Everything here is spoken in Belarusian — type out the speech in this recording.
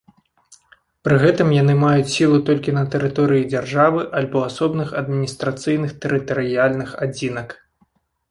Пры гэтым яны маюць сілу толькі на тэрыторыі дзяржавы, альбо асобных адміністрацыйных тэрытарыяльных адзінак.